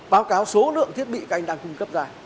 báo cáo số lượng thiết bị các anh đang cung cấp ra